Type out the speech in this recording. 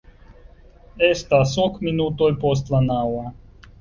Estas ok minutoj post la naŭa.